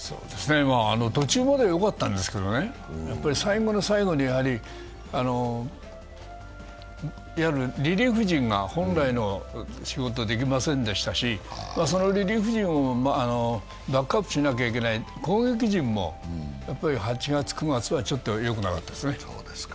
途中まではよかったんですけどね、最後の最後にリリーフ陣が本来の仕事ができませんでしたし、そのリリーフ陣をバックアップしなきゃいけない攻撃陣もやっぱり８月、９月はよくなかったですね。